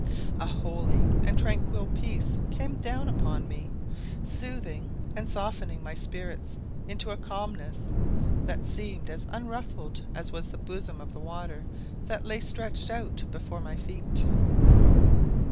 A holy and tranquil peace came down upon me, soothing and softening my spirits into a calmness that seemed as unruffled as was the bosom of the water that lay stretched out before my feet.